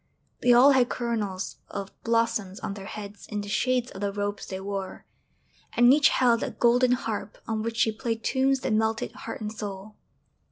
They all had coronals of blossoms on their heads in the shades of the robes they wore; and each held a golden harp on which she played tunes that melted heart and soul.